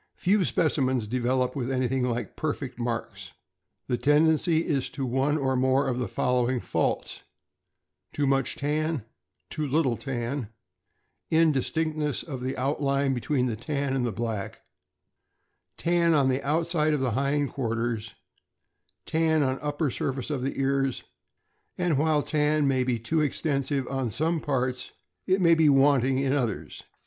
Few specimens develop with anything like perfect marks. The tendency is to one or more of the following faults: Too much tan, too little tan, indistinctness of outline between the tan and the black, tan on the outside of the hind quarters, tan on upper sur face of the ears; and while tan may be too extensive on some parts, it may be wanting in others.